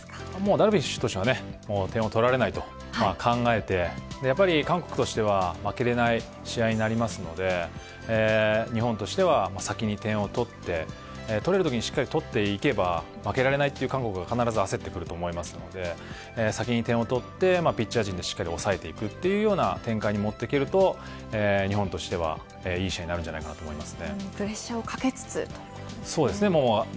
ダルビッシュ投手は点を取られないと考えて、韓国としては負けられない試合となりますので日本としては先に点を取って取れるときにしっかり取っていけば負けられない必ずあせってくると思いますんで先に点を取って、ピッチャー陣で抑えていくという展開に持っていけると日本としてはいい試合になると思います。